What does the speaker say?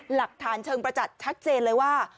หลักฐานเชิงประจักษ์ชัดเจนเลยว่า